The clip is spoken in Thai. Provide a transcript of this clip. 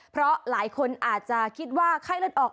เพราะหลายคนอาจจะคิดว่าไข้เลือดออก